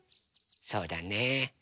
そうだね。